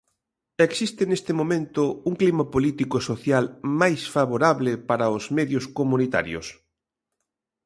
Existe neste momento un clima político e social máis favorable para os medios comunitarios?